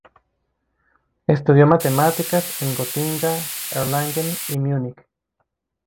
Estudió matemáticas en Gotinga, Erlangen, y Múnich.